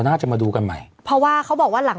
นายกผู้เมื่อวาน